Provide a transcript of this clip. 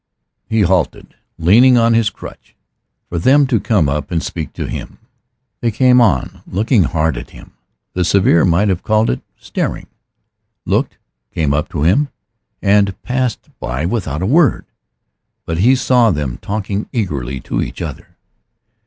He halted, leaning on his crutch, for them to come up and speak to him. They came on, looking hard at him the severe might have called it staring looked, came up to him, and passed by without a word! But he saw them talking eagerly to each other.